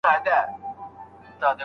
په خپلو کارونو کي تل نوښت وکړئ.